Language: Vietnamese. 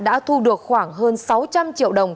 đã thu được khoảng hơn sáu trăm linh triệu đồng